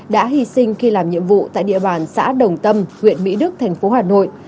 đã hy sinh khi làm nhiệm vụ tại địa bàn xã đồng tâm huyện mỹ đức thành phố hà nội